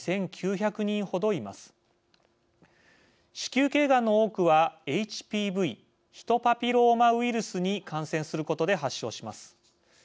子宮けいがんの多くはＨＰＶ＝ヒトパピローマウイルスに感染することで発症します。